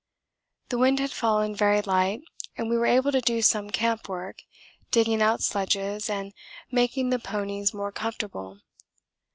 The wind had fallen very light and we were able to do some camp work, digging out sledges and making the ponies more comfortable.